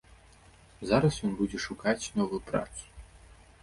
Зараз ён будзе шукаць новую працу.